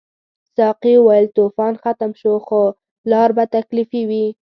ساقي وویل طوفان ختم شو خو لار به تکلیفي وي.